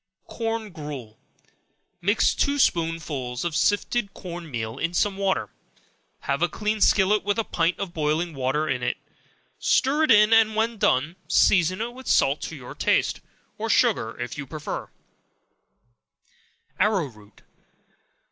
Corn Gruel. Mix two spoonsful of sifted corn meal in some water; have a clean skillet with a pint of boiling water in it; stir it in, and when done, season it with salt to your taste, or sugar, if you prefer it; Arrow root.